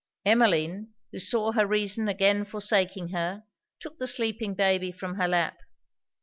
Emmeline, who saw her reason again forsaking her, took the sleeping baby from her lap.